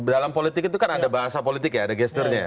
dalam politik itu kan ada bahasa politik ya ada gesturnya ya